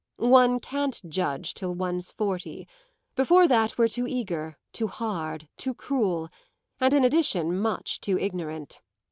One can't judge till one's forty; before that we're too eager, too hard, too cruel, and in addition much too ignorant.